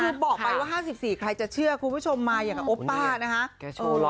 คือบอกไปว่า๕๔ใครจะเชื่อคุณผู้ชมมาอย่างกับโอป้านะคะ